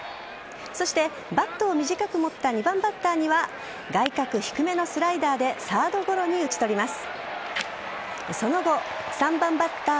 そしてバットを短く持った２番バッターには外角低めのスライダーでサードゴロに打ち取ります。